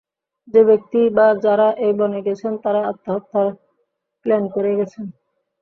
যে ব্যাক্তি বা যারা এই বনে গেছেন তারা আত্মহত্যার প্ল্যান করেই গেছেন।